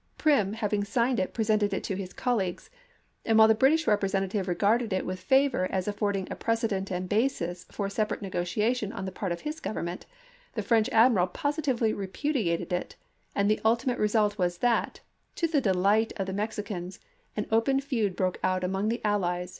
Prim having signed it presented it to his colleagues, and while the British representative regarded it with favor as affording a precedent and basis for separ ate negotiation on the part of his Government, the French Admiral positively repudiated it, and the ultimate result was that, to the delight of the Mex MEXICO 45 icans, an open feud broke out among the allies chap.